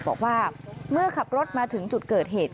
บอกว่าเมื่อขับรถมาถึงจุดเกิดเหตุ